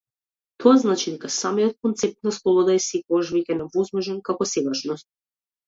Тоа значи дека самиот концепт на слобода е секогаш веќе невозможен како сегашност.